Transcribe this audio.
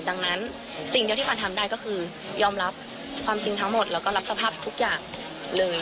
ดังนั้นสิ่งเดียวที่ฟันทำได้ก็คือยอมรับความจริงทั้งหมดแล้วก็รับสภาพทุกอย่างเลย